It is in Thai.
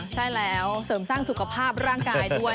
ใช่แล้วเสริมสร้างสุขภาพร่างกายด้วย